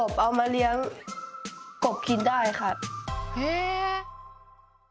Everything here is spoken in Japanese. へえ。